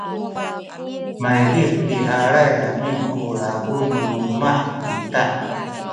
maydih lihalay amin ku lalabu nu luma’ ita